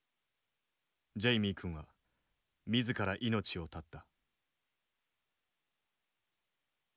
ジェイミー君は自ら命を絶った。